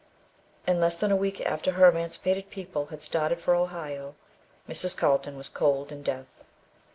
In less than a week after her emancipated people had started for Ohio, Mrs. Carlton was cold in death.